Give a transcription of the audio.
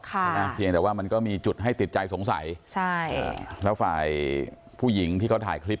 ใช่ไหมเพียงแต่ว่ามันก็มีจุดให้ติดใจสงสัยใช่แล้วฝ่ายผู้หญิงที่เขาถ่ายคลิป